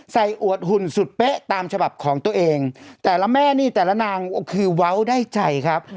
อวดหุ่นสุดเป๊ะตามฉบับของตัวเองแต่ละแม่นี่แต่ละนางก็คือเว้าได้ใจครับ